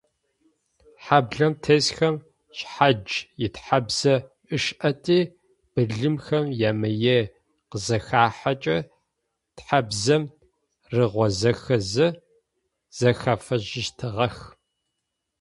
Хьаблэм тесхэм шъхьадж итхьабзэ ышӏэти, былымхэм ямые къызахахьэкӏэ, тхьабзэм рыгъуазэхэзэ зэхафыжьыщтыгъэх.